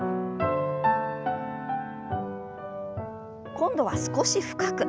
今度は少し深く。